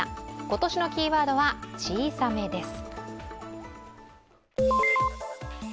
今年のキーワードは小さめです。